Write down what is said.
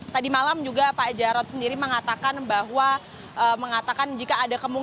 tadi malam juga pak jarod sendiri mengatakan bahwa mengatakan jika ada kemungkinan